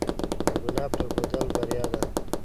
د ګناه پرېښودل بریا ده.